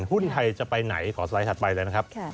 หุ้นไทยจะไปไหนขอสไลด์ถัดไปเลยนะครับ